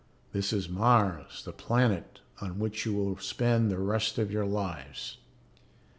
This is Mars, the planet on which you will spend the rest of your lives.